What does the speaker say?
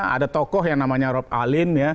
ada tokoh yang namanya rob alin